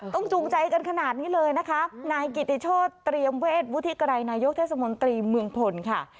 ต้องจูงใจกันขนาดนี้เลยนะคะ